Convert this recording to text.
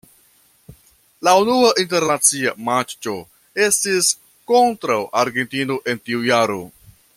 La unua internacia matĉo estis kontraŭ Argentino en tiu jaro.